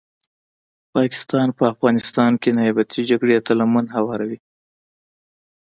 پاکستان په افغانستان کې نیابتې جګړي ته لمن هواروي